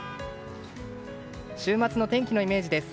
週末の天気のイメージです。